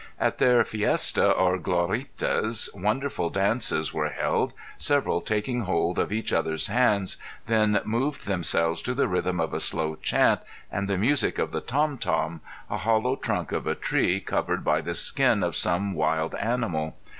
At their fiesta or Gloritas wonderful dances were held several taking hold of each other's hands then moved themselves to the rhythm of a slow chant and the music of the tom tom, a hollow trunk of a tree covered by the skin of some wild animal.